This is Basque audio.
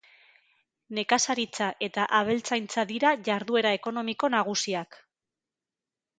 Nekazaritza eta abeltzaintza dira jarduera ekonomiko nagusiak.